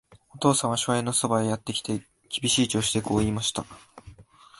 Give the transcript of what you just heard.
お父さんは少年のそばへやってきて、厳しい調子でこう言いました。